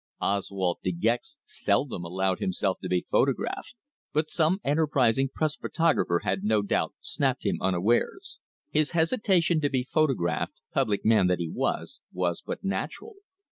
Oswald De Gex seldom allowed himself to be photographed, but some enterprising Press photographer had no doubt snapped him unawares. His hesitation to be photographed public man that he was was but natural.